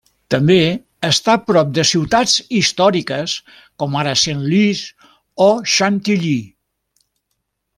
També està a prop de ciutats històriques com ara Senlis o Chantilly.